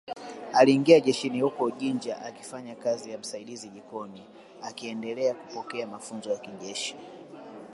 Aliingia jeshini huko Jinja akifanya kazi ya msaidizi jikoni akiendelea kupokea mafunzo ya kijeshi